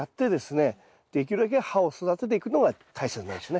できるだけ葉を育てていくのが大切なんですねはい。